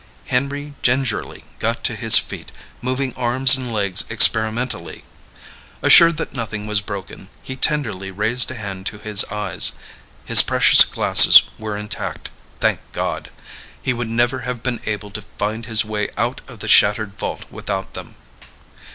Henry gingerly got to his feet, moving arms and legs experimentally. Assured that nothing was broken, he tenderly raised a hand to his eyes. His precious glasses were intact, thank God! He would never have been able to find his way out of the shattered vault without them.